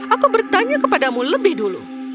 aku bertanya kepadamu lebih dulu